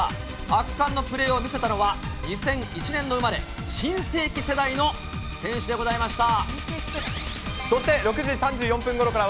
圧巻のプレーを見せたのは、２００１年度生まれ、新世紀世代の選手でございました。